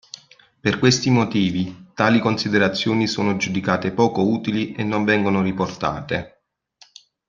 Per questi motivi, tali considerazioni sono giudicate poco utili e non vengono riportate.